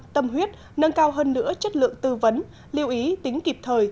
tâm huyết nâng cao hơn nữa chất lượng tư vấn lưu ý tính kịp thời